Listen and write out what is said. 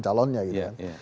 calonnya gitu kan